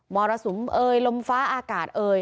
มรสุมเหลมฟ้าอากาศ